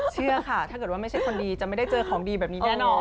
เชื่อค่ะถ้าเกิดว่าไม่ใช่คนดีจะไม่ได้เจอของดีแบบนี้แน่นอน